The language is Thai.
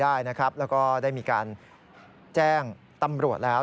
ได้นะครับแล้วก็ได้มีการแจ้งตำรวจแล้ว